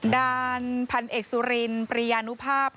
ดาร์ผันเอกสุรินปริญาณุภาพ